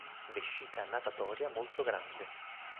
Vescica natatoria molto grande.